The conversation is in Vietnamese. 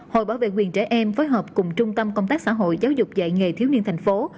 hội bảo vệ quyền trẻ em phối hợp cùng trung tâm công tác xã hội giáo dục dạy nghề thiếu niên thành phố